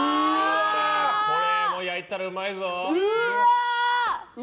これも焼いたらうまいぞ。